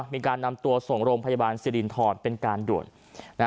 มีการนำตัวส่งโรงพยาบาลสิรินทรเป็นการด่วน